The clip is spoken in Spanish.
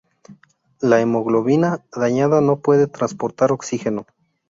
La hemoglobina dañada no puede transportar oxígeno.